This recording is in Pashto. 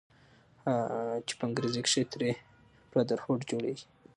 چې په انګريزۍ کښې ترې Brotherhood جوړيږي